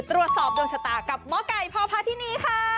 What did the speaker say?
ตรวจสอบดวงชะตากับหมอไก่พอพาที่นี่ค่ะ